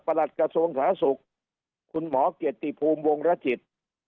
ประหลัดกระทรวงศาสุขคุณหมอเกียรติภูมิวงรจิต